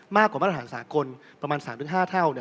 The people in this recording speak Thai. มากกว่ามาตรฐานสากลประมาณ๓๕เท่า